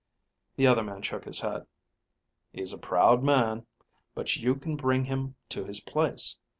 The other man shook his head. "He's a proud man. But you can bring him to his place.